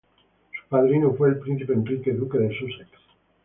Su padrino fue el príncipe Enrique, duque de Sussex.